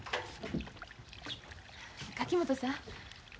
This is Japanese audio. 垣本さん。